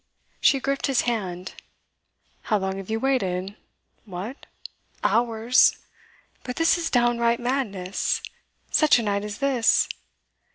She gripped his hand. 'How long have you waited? What! Hours? But this is downright madness such a night as this!